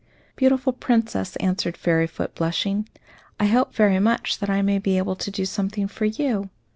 "Beautiful Princess," answered Fairyfoot, blushing, "I hope very much that I may be able to do something for you."